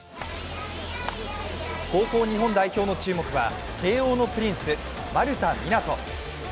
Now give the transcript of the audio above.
高校日本代表の注目は慶応のプリンス・丸田湊斗。